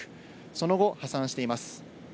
その後、破産しています。